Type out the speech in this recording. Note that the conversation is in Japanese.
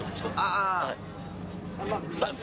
ああ。